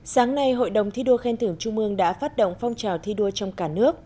sáng nay hội đồng thi đua khen thưởng trung mương đã phát động phong trào thi đua trong cả nước